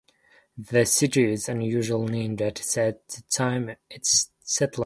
The city's unusual name dates to the time of its settlement.